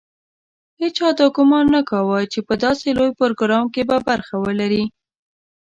هېچا دا ګومان نه کاوه چې په داسې لوی پروګرام کې به برخه ولري.